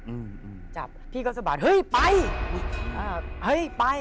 อืมจับพี่ก็สะบาดเฮ้ยไป